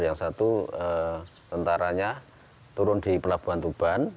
yang satu tentaranya turun di pelabuhan tuban